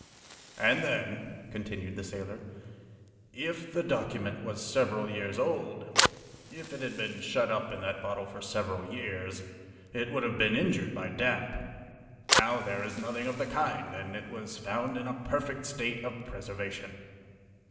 "And then," continued the sailor, "if the document was several years old, if it had been shut up in that bottle for several years, it would have been injured by damp. Now, there is nothing of the kind, and it was found in a perfect state of preservation."